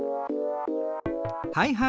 はいはい！